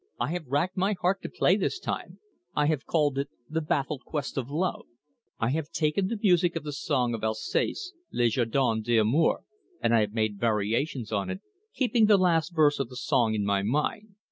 "I have racked my heart to play this time. I have called it, 'The Baffled Quest of Love'. I have taken the music of the song of Alsace, 'Le Jardin d'Amour', and I have made variations on it, keeping the last verse of the song in my mind.